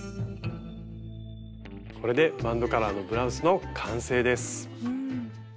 これでバンドカラーのブラウスの完成です。